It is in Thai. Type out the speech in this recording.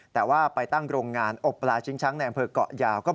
แต่ว่าไปตั้งโรงงานอบปลาชิงช้างในอำเภอกเกาะยาว